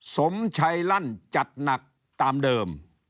สมชัยลั่นจัดหนักตามเดิม